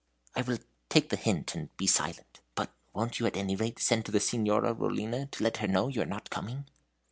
"I will take the hint, and be silent. But won't you at any rate send to the Signora Rollina to let her know you are not coming?"